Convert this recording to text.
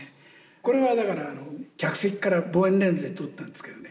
これはだから客席から望遠レンズで撮ったんですけどね